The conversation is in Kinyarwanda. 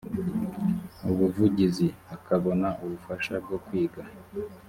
ubuvugizi akabona ubufasha bwo kwiga